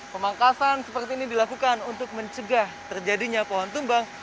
pemangkasan seperti ini dilakukan untuk mencegah terjadinya pohon tumbang